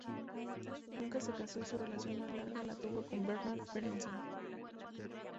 Nunca se casó y su relación más larga la tuvo con Bernard Berenson.